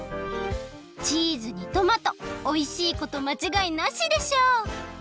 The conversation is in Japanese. チーズにトマトおいしいことまちがいなしでしょ！